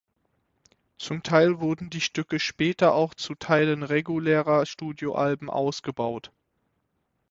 Zum Teil wurden die Stücke später auch zu Teilen regulärer Studioalben ausgebaut.